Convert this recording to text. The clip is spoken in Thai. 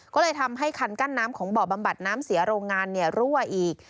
ก็เลยทำให้คันกั้นน้ำของบ่อบำบัดน้ำเสียโรงงานรั่วอีก